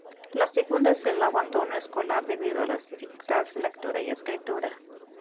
La segunda es el abandono escolar, debido a las dificultades de lectura y escritura.